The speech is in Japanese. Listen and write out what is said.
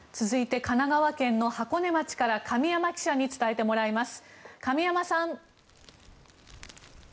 続いて神奈川県箱根町から神山記者に伝えてもらいます。